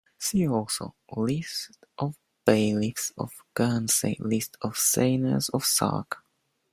"See also:" list of Bailiffs of Guernsey, list of Seigneurs of Sark.